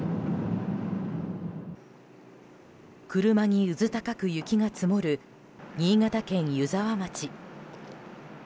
車にうずたかく雪が積もる新潟県湯沢町。